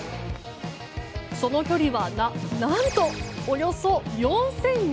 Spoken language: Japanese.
その距離は、な、何とおよそ４２００ｋｍ！